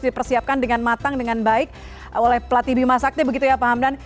dipersiapkan dengan matang dengan baik oleh pelatih bima sakti begitu ya pak hamdan